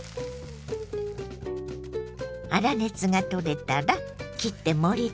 粗熱が取れたら切って盛りつけましょ。